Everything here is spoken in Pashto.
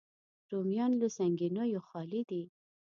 رومیان له سنګینیو خالي دي